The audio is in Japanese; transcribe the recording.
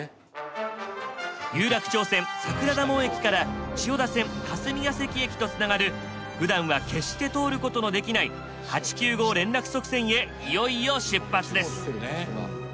有楽町線桜田門駅から千代田線霞ケ関駅とつながるふだんは決して通ることのできない８・９号連絡側線へいよいよ出発です。